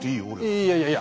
いやいやいやいや！